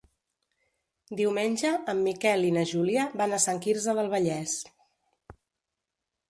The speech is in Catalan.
Diumenge en Miquel i na Júlia van a Sant Quirze del Vallès.